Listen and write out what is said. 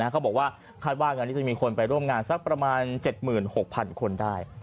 เขาบอกว่าคาดว่างานนี้จะมีคนไปร่วมงานสักประมาณ๗๖๐๐๐คนได้